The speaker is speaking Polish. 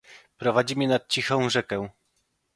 Prowadzi mnie nad cichą rzekę.